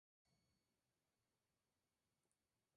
Fracasó, y Pepy confió el asunto a Uni.